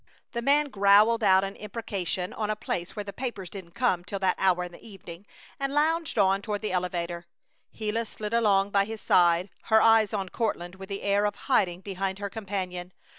The man growled out an imprecation on a place where the papers didn't come till that hour in the evening, and lounged on toward the elevator. Gila slid along by his side, her eyes on Courtland, with the air of hiding behind her companion.